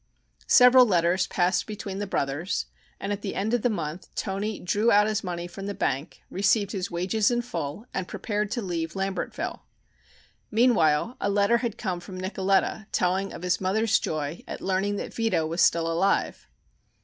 Several letters passed between the brothers, and at the end of the month Toni drew out his money from the bank, received his wages in full, and prepared to leave Lambertville. Meantime a letter had come from Nicoletta telling of his mother's joy at learning that Vito was still alive.